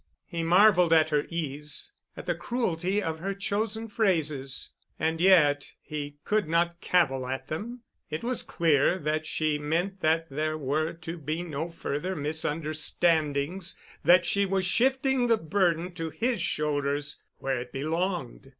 He marveled at her ease, at the cruelty of her chosen phrases. And yet he could not cavil at them. It was clear that she meant that there were to be no further misunderstandings, that she was shifting the burden to his shoulders where it belonged.